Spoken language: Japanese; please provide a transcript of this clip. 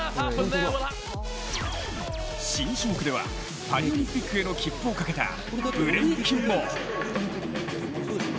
新種目では、パリオリンピックへの切符をかけたブレイキンも。